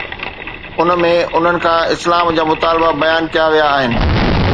ان ۾ انهن کان اسلام جا مطالبا بيان ڪيا ويا آهن.